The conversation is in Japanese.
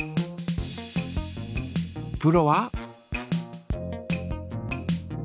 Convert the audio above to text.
プロは？